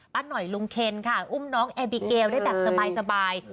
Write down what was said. หน่อยลุงเคนค่ะอุ้มน้องแอบิเกลได้แบบสบาย